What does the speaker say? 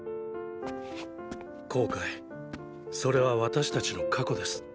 後悔それは私たちの過去です。